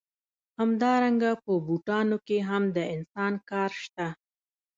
همدارنګه په بوټانو کې هم د انسان کار شته